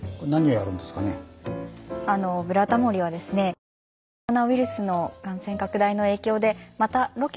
あの「ブラタモリ」はですね新型コロナウイルスの感染拡大の影響でまたロケを中止していますよね。